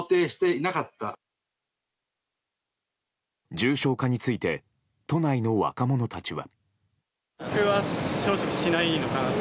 重症化について都内の若者たちは。